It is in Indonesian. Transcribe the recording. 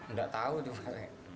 nggak tahu juga